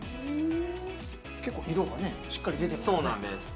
結構色がしっかり出てきますね。